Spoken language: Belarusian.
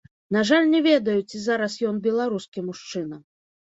На жаль, не ведаю, ці зараз ён беларускі мужчына.